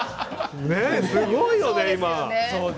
すごいよね、今。